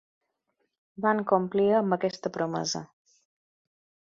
Van complir amb aquesta promesa.